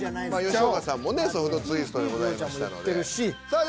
吉岡さんもねソフトツイストでございましたので。